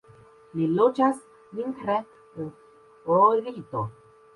Li loĝas vintre en Florido.